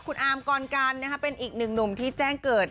คุณอามกรกันเป็นอีกหนึ่งหนุ่มที่แจ้งเกิด